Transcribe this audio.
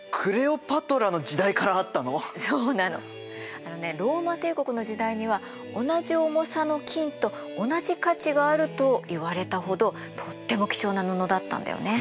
あのねローマ帝国の時代には同じ重さの金と同じ価値があるといわれたほどとっても貴重な布だったんだよね。